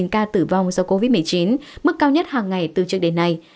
hai trăm sáu mươi chín ca tử vong do covid một mươi chín mức cao nhất hàng ngày từ trước đến nay